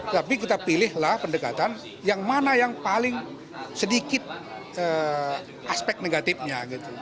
tapi kita pilihlah pendekatan yang mana yang paling sedikit aspek negatifnya